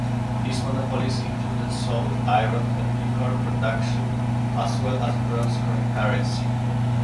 These monopolies included salt, iron, and liquor production, as well as bronze-coin currency.